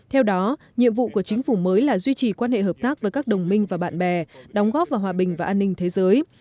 theo đó nhiệm vụ của chính phủ mới là duy trì quan hệ hợp tác với các đồng minh và bạn bè đóng góp vào hòa bình và an ninh thế giới